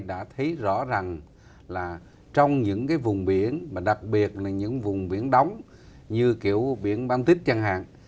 đã thấy rõ ràng là trong những cái vùng biển mà đặc biệt là những vùng biển đóng như kiểu viện baltic chẳng hạn